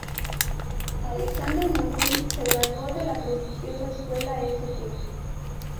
Alexander McQueen se graduó de la prestigiosa escuela St.